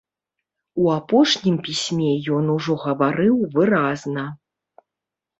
У апошнім пісьме ён ужо гаварыў выразна.